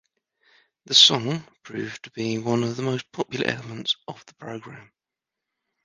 The song proved to be one of the most popular elements of the program.